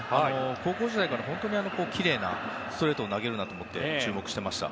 高校時代から、本当にきれいなストレートを投げるなと思って注目していました。